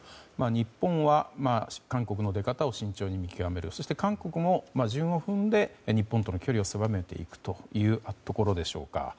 日本は韓国の出方を慎重に見極めるそして韓国も順を踏んで日本との距離を狭めていくところでしょうか。